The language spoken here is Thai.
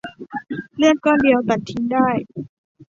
เลือดก้อนเดียวตัดทิ้งได้